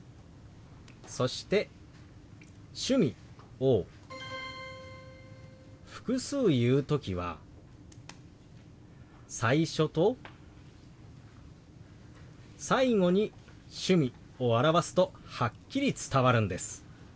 そして「趣味」を複数言う時は最初と最後に「趣味」を表すとはっきり伝わるんです。